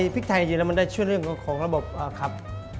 พริกไทยจริงแล้วมันได้ช่วยเรื่องของระบบขับ